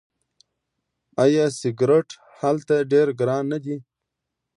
آیا سیګرټ هلته ډیر ګران نه دي؟